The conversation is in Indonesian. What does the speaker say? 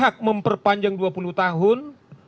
hak memperpanjang dua puluh tahun